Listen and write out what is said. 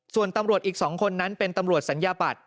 ส่วนตำรวจอีก๒คนนั้นเป็นตำรวจสัญญาบัตร